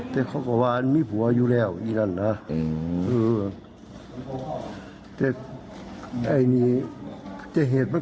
จะเหตุว่าเกิดอยู่บ้างไปใช่นะ